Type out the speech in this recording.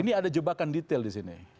ini ada jebakan detail di sini